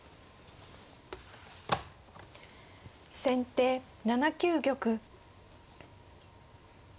先手７九玉。